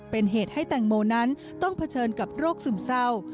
เป็นเหตุให้แตงโมนั้นต้องเผชิญกับโรคซึมเศร้า